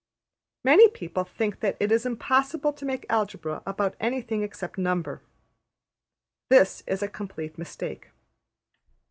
Many people think that it is impossible to make Algebra about anything except number. This is a complete mistake.